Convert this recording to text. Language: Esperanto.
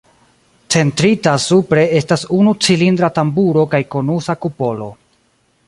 Centrita supre estas unu cilindra tamburo kaj konusa kupolo.